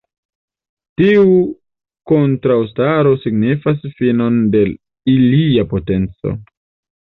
Tiu kontraŭstaro signifis finon de ilia potenco.